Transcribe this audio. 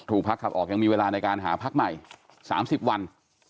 พักขับออกยังมีเวลาในการหาพักใหม่๓๐วัน